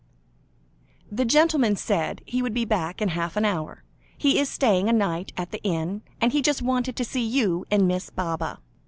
"The gentleman said he would be back in half an hour; he is staying a night at the inn, and he just wanted to see you and Miss Baba."